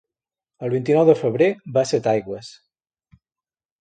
El vint-i-nou de febrer va a Setaigües.